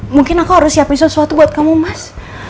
mungkin aku harus siapin sesuatu buat kamu mas